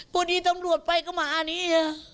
พอดีตำรวจไปก็มาอันนี้